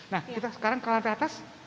nah kita sekarang ke lantai atas